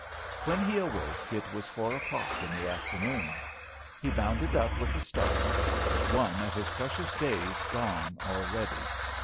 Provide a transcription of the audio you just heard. When he awoke, it was four o'clock in the afternoon. He bounded up with a start; one of his precious days gone already!